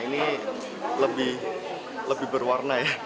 ini lebih berwarna ya